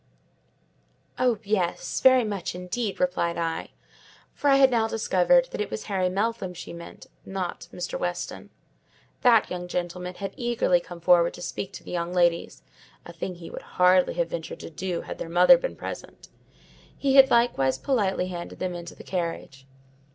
"Oh, yes; very much indeed," replied I; for I had now discovered that it was Harry Meltham she meant, not Mr. Weston. That gentleman had eagerly come forward to speak to the young ladies: a thing he would hardly have ventured to do had their mother been present; he had likewise politely handed them into the carriage.